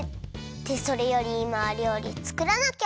ってそれよりいまはりょうりつくらなきゃ！